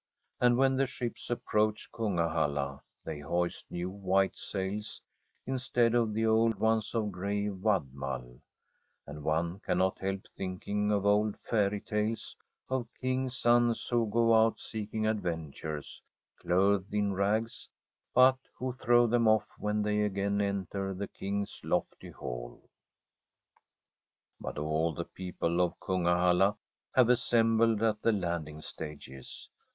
And when the ships approach Kungahalla they hoist new white sails, instead of the old ones of g^ay wadmal ; and one cannot help thinking of old fairy tales of kings' sons who go out seeking adventures clothed in rags, but who throw them off when they again enter the King's lofty hall. But all the people of Kungahalla have as sembled at the landing stages.